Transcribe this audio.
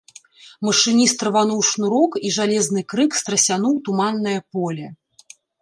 Машыніст рвануў шнурок, і жалезны крык страсянуў туманнае поле.